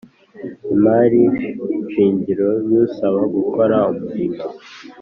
Imari shingiro y usaba gukora umurimo